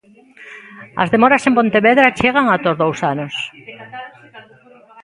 As demoras en Pontevedra chegan ata os dous anos.